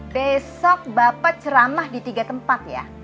besok bapak ceramah di tiga tempat ya